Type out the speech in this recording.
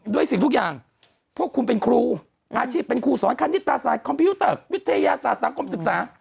สิ่งทุกอย่างพวกคุณเป็นครูอาชีพเป็นครูสอนคณิตศาสตร์คอมพิวเตอร์วิทยาศาสตร์สังคมศึกษา